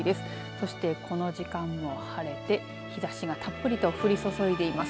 そしてこの時間も晴れて日ざしがたっぷりと降り注いでいます。